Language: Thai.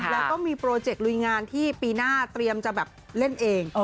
แล้วก็มีโปรเจคลุยงานที่ปีหน้าเตรียมจะแบบเล่นเอง